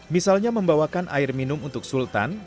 misalnya membawakan air minum untuk sultan